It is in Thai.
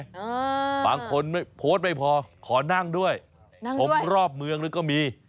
อ่าบางคนโพสต์ไม่พอขอนั่งด้วยนั่งด้วยผมรอบเมืองแล้วก็มี